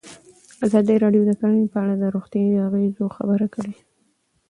ازادي راډیو د کرهنه په اړه د روغتیایي اغېزو خبره کړې.